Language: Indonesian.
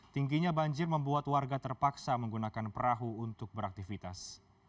tingginya banjir membuat warga terpaksa menggunakan perahu untuk beraktivitas